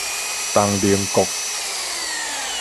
東寧國